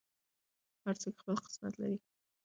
هر څوک خپل قسمت لري.